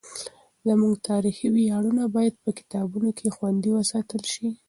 زموږ تاریخي ویاړونه باید په کتابونو کې خوندي وساتل سي.